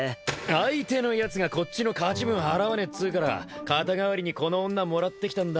相手のやつがこっちの勝ち分払わねえっつうから肩代わりにこの女もらってきたんだ。